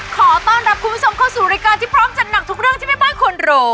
ขอต้อนรับคุณผู้ชมเข้าสู่รายการที่พร้อมจัดหนักทุกเรื่องที่แม่บ้านควรรู้